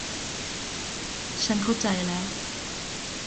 ฉันเข้าใจแล้ว